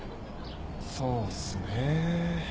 そうっすねぇ。